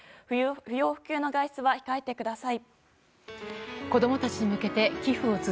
不要不急の外出は控えてください。